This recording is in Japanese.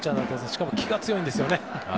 しかも気が強いんですね。